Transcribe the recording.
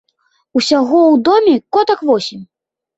Усяго ў доме котак восем.